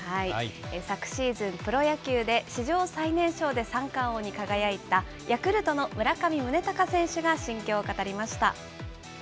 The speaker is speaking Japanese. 昨シーズン、プロ野球で史上最年少で三冠王に輝いたヤクルトの村上宗隆選手が心境を語りました。